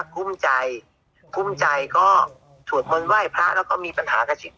คุ้มใจคุ้มใจก็สวดมนต์ไหว้พระแล้วก็มีปัญหากับจิต